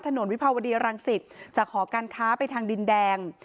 ถนนวิพาวดีรังสิตน์จะขอการค้าไปทางดินแดง